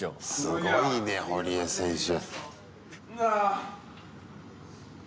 すごいね、堀江選手。